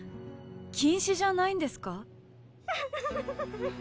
近視じゃないんですか？